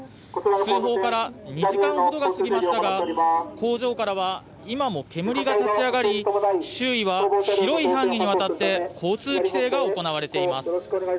通報から２時間ほどが過ぎましたが工場からは今も煙が立ち上がり周囲は広い範囲にわたって交通規制が行われています。